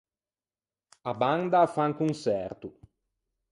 A banda a fa un conçerto.